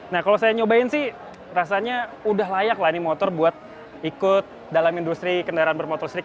nah kalau saya nyobain sih rasanya udah layak lah ini motor buat ikut dalam industri kendaraan bermotor listrik